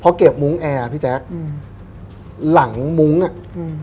พอเก็บมุ้งแอร์อ่ะพี่แจ๊คอืมหลังมุ้งอ่ะอืม